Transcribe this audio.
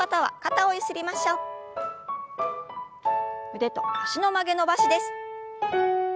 腕と脚の曲げ伸ばしです。